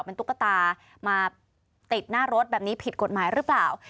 เป็นตุ๊กตามาติดหน้ารถแบบนี้ผิดกฎหมายหรือเปล่า